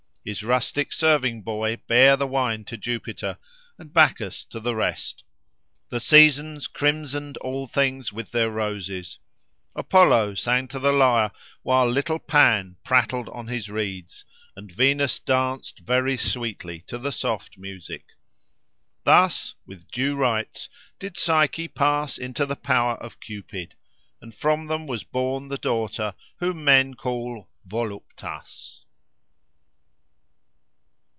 His rustic serving boy bare the wine to Jupiter; and Bacchus to the rest. The Seasons crimsoned all things with their roses. Apollo sang to the lyre, while a little Pan prattled on his reeds, and Venus danced very sweetly to the soft music. Thus, with due rites, did Psyche pass into the power of Cupid; and from them was born the daughter whom men call Voluptas.